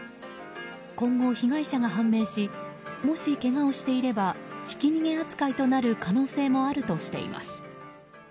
今後、被害者が判明しもしけがをしていればひき逃げ扱いとなる可能性もあるとしています。